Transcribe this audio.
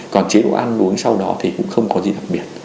còn chế độ ăn uống sau đó thì cũng không có gì đặc biệt